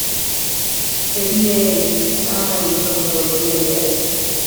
Roedd Mary yn casáu eu byngalo blêr.